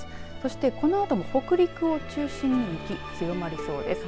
そして、このあとも北陸を中心に雪、強まる予想です。